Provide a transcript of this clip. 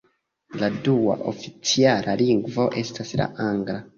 La dua oficiala lingvo estas la angla.